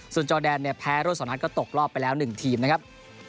ส่วนจอดแดนเนี่ยแพ้โรดสองนั้นก็ตกรอบไปแล้วหนึ่งทีมนะครับ